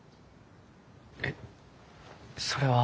えっそれは？